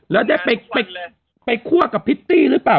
แล้วได้ไปคั่วกับพริตตี้หรือเปล่า